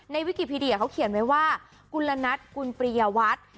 วิกิพีเดียเขาเขียนไว้ว่ากุลนัทกุลปริยวัตร